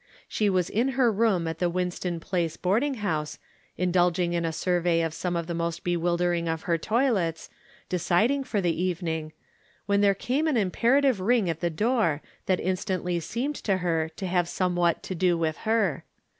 She was in her room at the Winston Place board ing house, indulging in a survey of some of the most bewildering of her toilets, deciding for the evening, when there came an imperative ring at the door, that instantly seemed to her to have somewhat to do with her.